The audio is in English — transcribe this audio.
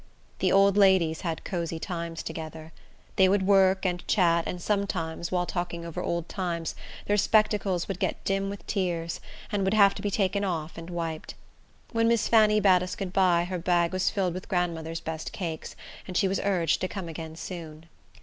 The old ladies had cosey times together. They would work and chat, and sometimes, while talking over old times, their spectacles would get dim with tears, and would have to be taken off and wiped. When Miss Fanny bade us good by, her bag was filled with grandmother's best cakes, and she was urged to come again soon.